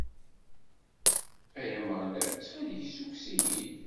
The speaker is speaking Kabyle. Ay Ameɣlal, ttxil-k ssukkes-iyi-d!